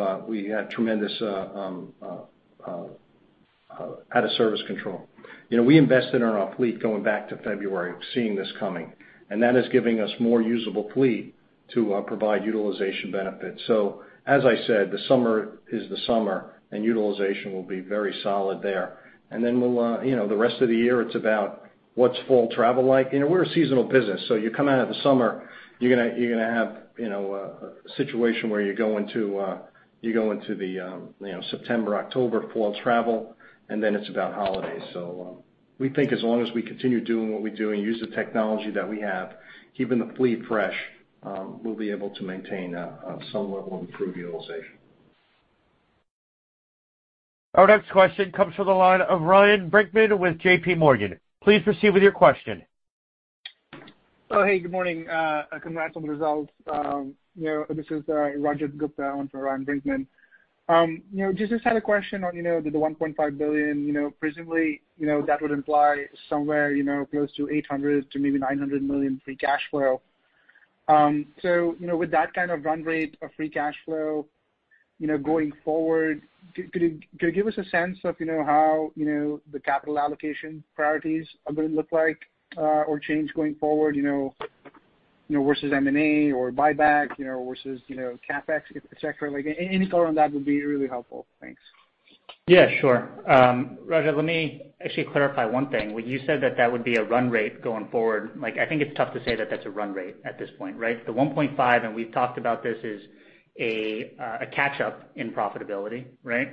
tremendous out-of-service control. We invested in our fleet going back to February, seeing this coming, and that is giving us more usable fleet to provide utilization benefits. As I said, the summer is the summer, and utilization will be very solid there. Then the rest of the year, it's about what's fall travel like. We're a seasonal business. You come out of the summer, you're going to have a situation where you go into the September, October fall travel, and then it's about holidays. We think as long as we continue doing what we do and use the technology that we have, keeping the fleet fresh, we'll be able to maintain some level of improved utilization. Our next question comes from the line of Ryan Brinkman with JPMorgan. Please proceed with your question. Good morning. Congrats on the results. This is Rajat Gupta in for Ryan Brinkman. Just had a question on the $1.5 billion. Presumably, that would imply somewhere close to $800 million-$900 million free cash flow. With that kind of run rate of free cash flow, going forward, could you give us a sense of how the capital allocation priorities are going to look like or change going forward versus M&A or buyback versus CapEx, et cetera? Like, any color on that would be really helpful. Thanks. Yeah, sure. Rajat, let me actually clarify one thing. When you said that that would be a run rate going forward, like, I think it's tough to say that that's a run rate at this point, right? The 1.5, and we've talked about this, is a catch-up in profitability, right?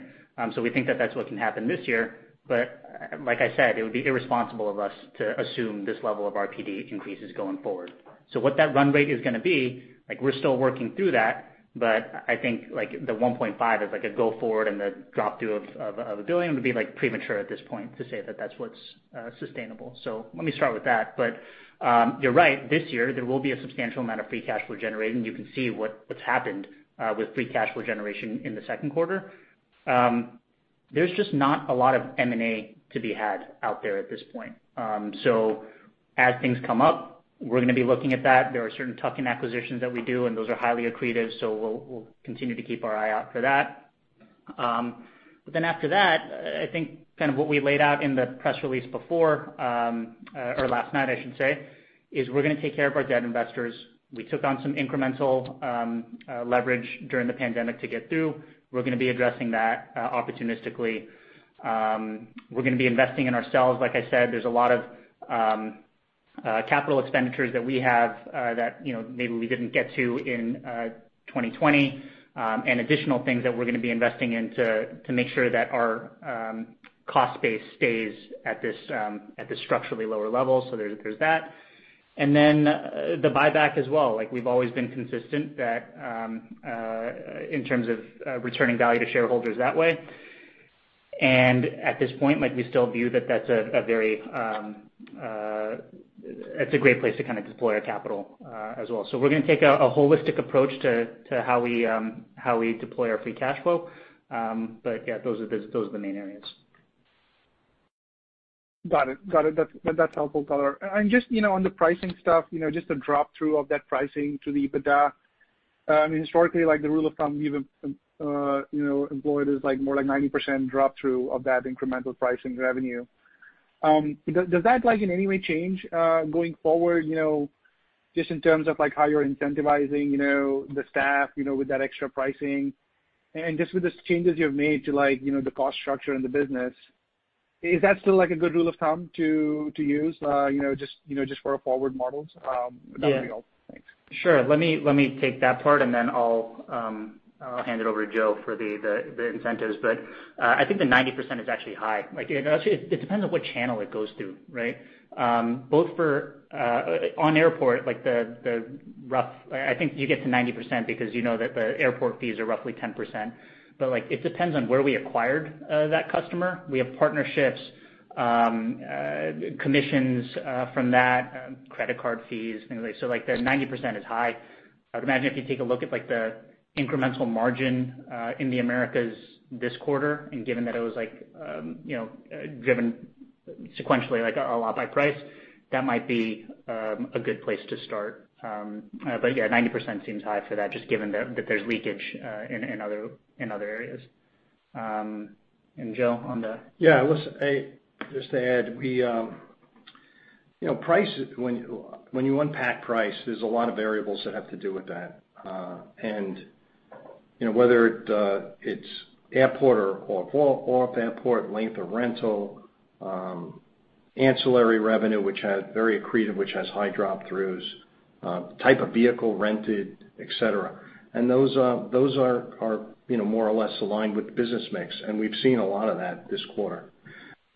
We think that that's what can happen this year. Like I said, it would be irresponsible of us to assume this level of RPD increases going forward. What that run rate is going to be, like, we're still working through that, I think, like, the 1.5 is like a go forward and the drop through of $1 billion would be premature at this point to say that that's what's sustainable. Let me start with that. You're right. This year, there will be a substantial amount of free cash flow generating. You can see what's happened with free cash flow generation in the second quarter. There's just not a lot of M&A to be had out there at this point. As things come up, we're going to be looking at that. There are certain tuck-in acquisitions that we do, and those are highly accretive, so we'll continue to keep our eye out for that. After that, I think kind of what we laid out in the press release before, or last night, I should say, is we're going to take care of our debt investors. We took on some incremental leverage during the pandemic to get through. We're going to be addressing that opportunistically. We're going to be investing in ourselves. Like I said, there's a lot of capital expenditures that we have that maybe we didn't get to in 2020, and additional things that we're going to be investing in to make sure that our cost base stays at this structurally lower level. There's that. Then the buyback as well. Like, we've always been consistent in terms of returning value to shareholders that way. At this point, like, we still view that that's a great place to kind of deploy our capital as well. We're going to take a holistic approach to how we deploy our free cash flow. Yeah, those are the main areas. Got it. That's helpful color. Just on the pricing stuff, just the drop-through of that pricing to the EBITDA. I mean, historically, the rule of thumb even employed is more like 90% drop-through of that incremental pricing revenue. Does that in any way change going forward just in terms of how you're incentivizing the staff with that extra pricing? Just with the changes you have made to the cost structure in the business, is that still a good rule of thumb to use just for our forward models? That would be all. Thanks. Sure. Let me take that part, then I'll hand it over to Joe for the incentives. I think the 90% is actually high. It depends on what channel it goes through, right? On airport, I think you get to 90% because you know that the airport fees are roughly 10%. It depends on where we acquired that customer. We have partnerships, commissions from that, credit card fees, things like. Their 90% is high. I would imagine if you take a look at the incremental margin in the Americas this quarter, and given that it was driven sequentially a lot by price, that might be a good place to start. Yeah, 90% seems high for that, just given that there's leakage in other areas. Joe, on the- Yeah, listen, just to add. When you unpack price, there's a lot of variables that have to do with that. Whether it's airport or off-airport, length of rental, ancillary revenue, which has very accretive, which has high drop-throughs, type of vehicle rented, et cetera. Those are more or less aligned with the business mix, and we've seen a lot of that this quarter.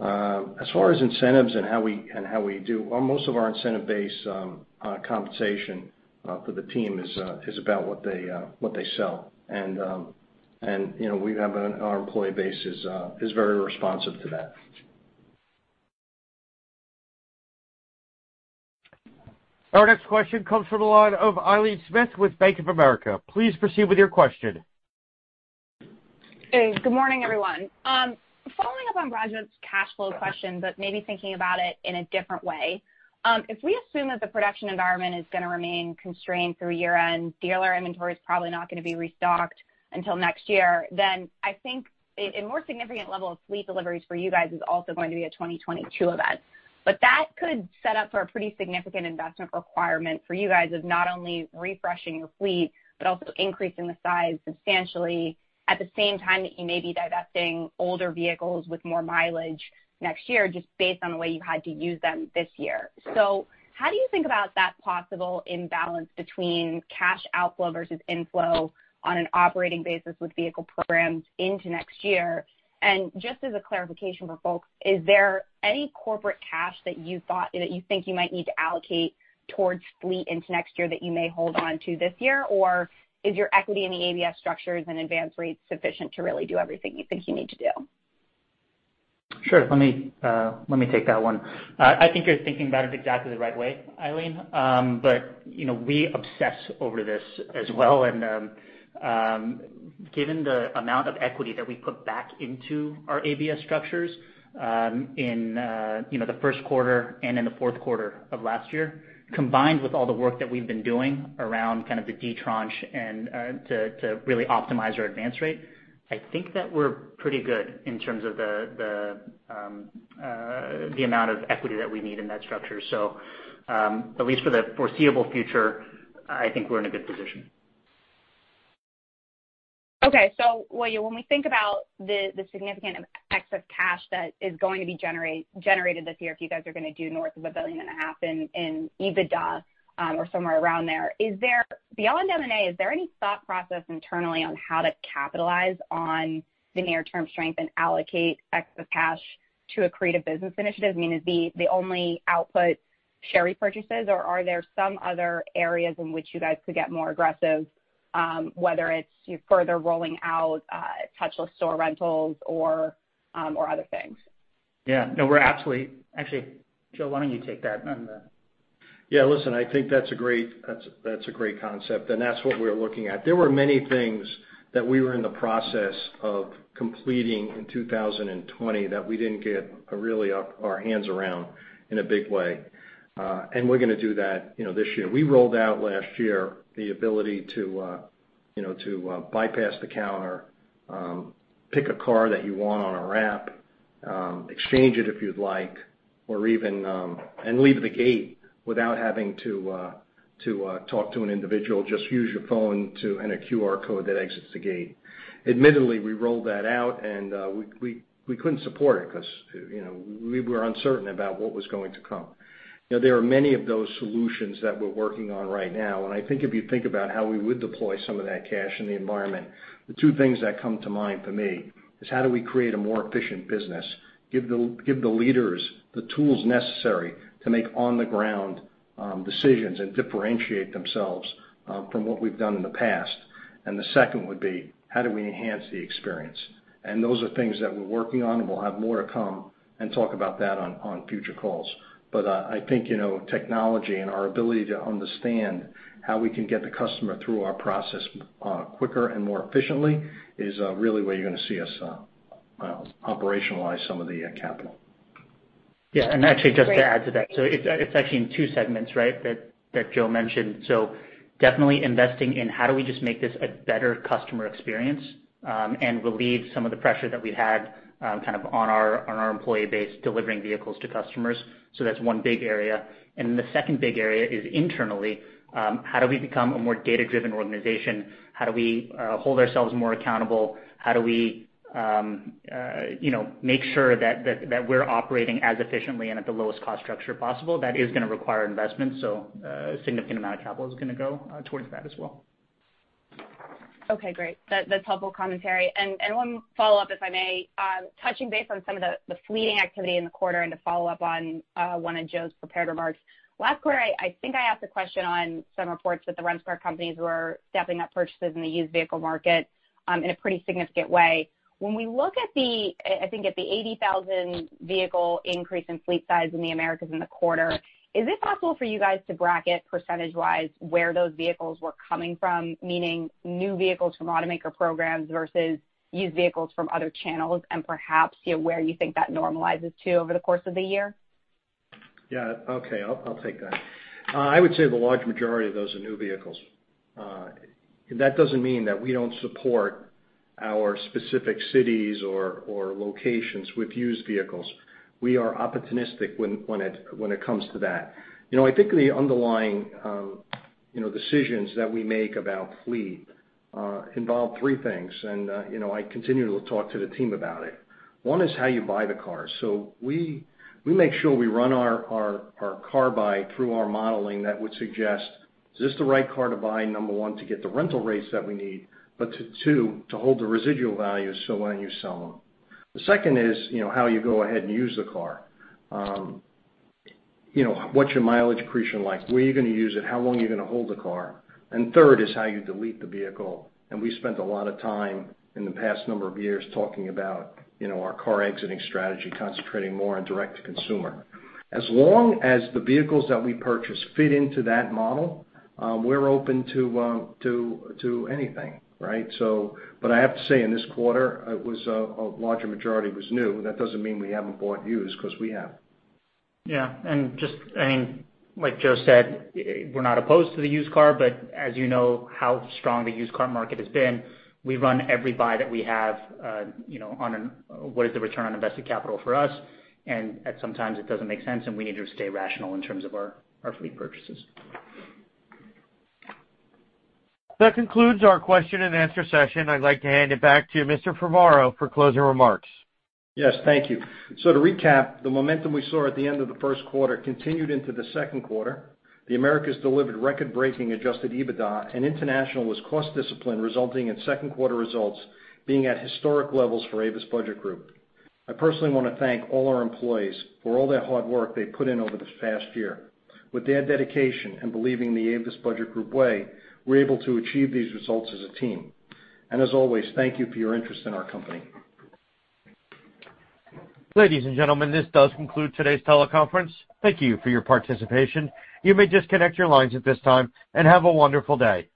As far as incentives and how we do, most of our incentive-based compensation for the team is about what they sell. Our employee base is very responsive to that. Our next question comes from the line of Aileen Smith with Bank of America. Please proceed with your question. Hey, good morning, everyone. Following up on Rajat Gupta's cash flow question, but maybe thinking about it in a different way. If we assume that the production environment is going to remain constrained through year-end, dealer inventory is probably not going to be restocked until next year, I think a more significant level of fleet deliveries for you guys is also going to be a 2022 event. That could set up for a pretty significant investment requirement for you guys of not only refreshing your fleet but also increasing the size substantially at the same time that you may be divesting older vehicles with more mileage next year, just based on the way you had to use them this year. How do you think about that possible imbalance between cash outflow versus inflow on an operating basis with vehicle programs into next year? Just as a clarification for folks, is there any corporate cash that you think you might need to allocate towards fleet into next year that you may hold on to this year? Or is your equity in the ABS structures and advance rates sufficient to really do everything you think you need to do? Sure. Let me take that one. I think you're thinking about it exactly the right way, Aileen. We obsess over this as well. Given the amount of equity that we put back into our ABS structures in the first quarter and in the fourth quarter of last year, combined with all the work that we've been doing around kind of the D tranche to really optimize our advance rate, I think that we're pretty good in terms of the amount of equity that we need in that structure. At least for the foreseeable future, I think we're in a good position. Okay. When we think about the significant excess cash that is going to be generated this year, if you guys are going to do north of $1.5 billion in EBITDA or somewhere around there. Beyond M&A, is there any thought process internally on how to capitalize on the near-term strength and allocate excess cash to accretive business initiatives? I mean, is the only output share repurchases, or are there some other areas in which you guys could get more aggressive, whether it's you further rolling out touchless store rentals or other things? Yeah. No, we're absolutely actually, Joe, why don't you take that. Listen, I think that's a great concept, and that's what we're looking at. There were many things that we were in the process of completing in 2020 that we didn't get really our hands around in a big way. We're going to do that this year. We rolled out last year the ability to bypass the counter, pick a car that you want on our app, exchange it if you'd like, and leave the gate without having to talk to an individual. Just use your phone and a QR code that exits the gate. Admittedly, we rolled that out, and we couldn't support it because we were uncertain about what was going to come. There are many of those solutions that we're working on right now, I think if you think about how we would deploy some of that cash in the environment, the two things that come to mind for me is how do we create a more efficient business, give the leaders the tools necessary to make on-the-ground decisions and differentiate themselves from what we've done in the past. The second would be, how do we enhance the experience? Those are things that we're working on, and we'll have more to come and talk about that on future calls. I think technology and our ability to understand how we can get the customer through our process quicker and more efficiently is really where you're going to see us operationalize some of the capital. Yeah. Actually, just to add to that, it's actually in two segments that Joe mentioned. Definitely investing in how do we just make this a better customer experience, and relieve some of the pressure that we had kind of on our employee base delivering vehicles to customers. That's one big area. The second big area is internally, how do we become a more data-driven organization? How do we hold ourselves more accountable? How do we make sure that we're operating as efficiently and at the lowest cost structure possible? That is going to require investment, a significant amount of capital is going to go towards that as well. Okay, great. That's helpful commentary. One follow-up, if I may, touching base on some of the fleet activity in the quarter and to follow up on one of Joe's prepared remarks. Last quarter, I think I asked a question on some reports that the rent-a-car companies were stepping up purchases in the used vehicle market in a pretty significant way. When we look at the 80,000 vehicle increase in fleet size in the Americas in the quarter, is it possible for you guys to bracket %-wise where those vehicles were coming from, meaning new vehicles from automaker programs versus used vehicles from other channels? Perhaps, where you think that normalizes to over the course of the year? Yeah. Okay. I'll take that. I would say the large majority of those are new vehicles. That doesn't mean that we don't support our specific cities or locations with used vehicles. We are opportunistic when it comes to that. I think the underlying decisions that we make about fleet involve three things, and I continue to talk to the team about it. One is how you buy the car. We make sure we run our car buy through our modeling that would suggest, is this the right car to buy, number one, to get the rental rates that we need, but two, to hold the residual value so when you sell them. The second is how you go ahead and use the car. What's your mileage accretion like? Where are you going to use it? How long are you going to hold the car? Third is how you delete the vehicle. We spent a lot of time in the past number of years talking about our car exiting strategy, concentrating more on direct to consumer. As long as the vehicles that we purchase fit into that model, we're open to anything, right? I have to say, in this quarter, a larger majority was new. That doesn't mean we haven't bought used, because we have. Yeah. Like Joe said, we're not opposed to the used car, but as you know how strong the used car market has been, we run every buy that we have on what is the return on invested capital for us. At some times, it doesn't make sense, and we need to stay rational in terms of our fleet purchases. That concludes our question and answer session. I'd like to hand it back to Mr. Ferraro for closing remarks. Yes, thank you. To recap, the momentum we saw at the end of the first quarter continued into the second quarter. The Americas delivered record-breaking Adjusted EBITDA, and International was cost discipline, resulting in second quarter results being at historic levels for Avis Budget Group. I personally want to thank all our employees for all their hard work they put in over this past year. With their dedication and believing in the Avis Budget Group way, we're able to achieve these results as a team. As always, thank you for your interest in our company. Ladies and gentlemen, this does conclude today's teleconference. Thank you for your participation. You may disconnect your lines at this time, and have a wonderful day.